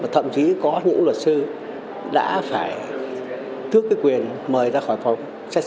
thậm chí có những luật sư đã phải thước quyền mời ra khỏi phòng